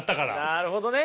なるほどね。